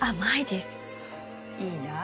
いいなあ。